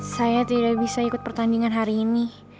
saya tidak bisa ikut pertandingan hari ini